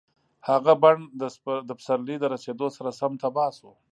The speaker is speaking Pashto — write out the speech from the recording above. هغه بڼ د پسرلي د رسېدو سره سم تباه شو.